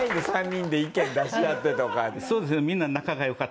３人で意見出し合ってとか。